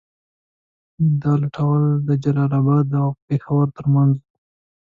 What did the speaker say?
دا لوټول د جلال اباد او پېښور تر منځ وو.